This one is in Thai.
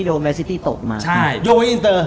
โดแมนซิตี้ตกมาโยอินเตอร์